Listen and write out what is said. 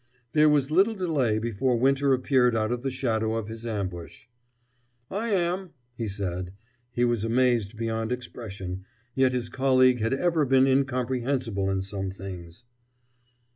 There was little delay before Winter appeared out of the shadow of his ambush. "I am!" he said; he was amazed beyond expression, yet his colleague had ever been incomprehensible in some things.